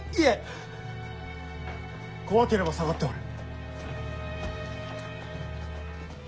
怖ければ下がっておれ。